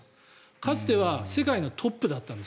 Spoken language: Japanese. かつては世界のトップだったんです。